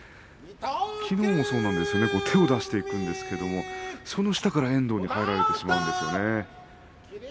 きのうもそうなんです手を出していくんですがその下から遠藤に入られてしまうんですよね。